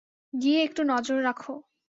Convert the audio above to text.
গিয়ে একটু নজর রাখো।